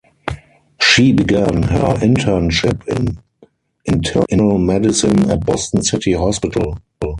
She began her internship in Internal Medicine at Boston City Hospital.